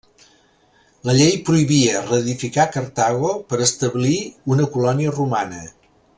La llei prohibia reedificar Cartago per establir una colònia romana.